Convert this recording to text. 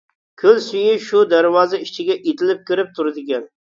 كۆل سۈيى شۇ دەرۋازا ئىچىگە ئېتىلىپ كىرىپ تۇرىدىكەن.